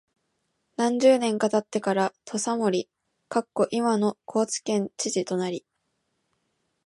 何十年か経ってから土佐守（いまの高知県知事）となり、